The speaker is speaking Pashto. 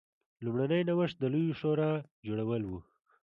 لومړنی نوښت د لویې شورا جوړول و